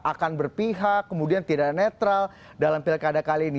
akan berpihak kemudian tidak netral dalam pilkada kali ini